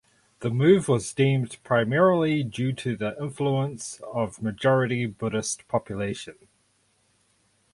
The move was deemed primarily due to the influence of majority Buddhist population.